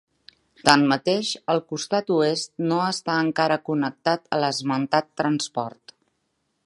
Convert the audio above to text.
Tanmateix, el costat oest no està encara connectat a l'esmentat transport.